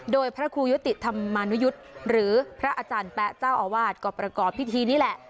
โดยพระครูยุติธรรมานุยุทธ์หรือพระอาจารย์แป๊ะเจ้าอาวาสก็ประกอบพิธีนี่แหละ